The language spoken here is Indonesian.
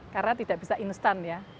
karena tidak bisa instan ya